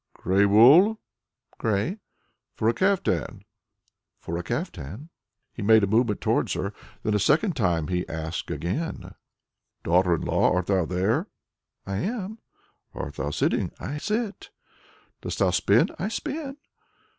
"Grey wool?" "Grey." "For a caftan?" "For a caftan." He made a movement towards her. Then a second time he asked again "Daughter in law, art thou there?" "I am." "Art thou sitting?" "I sit." "Dost thou spin?" "I spin."